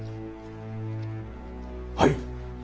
はい。